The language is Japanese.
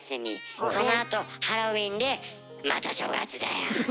そのあとハロウィーンでまた正月だよ。